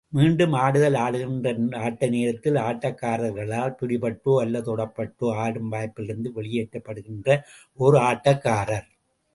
மீண்டும் ஆடுதல் ஆடுகின்ற ஆட்ட நேரத்தில் எதிராட்டக்காரர்களால் பிடிபட்டோ அல்லது தொடப்பட்டோ ஆடும் வாய்ப்பிலிருந்து வெளியேற்றப்படுகின்ற ஒர் ஆட்டக்காரர்.